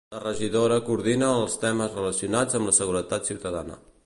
La regidora coordina els temes relacionats amb la seguretat ciutadana.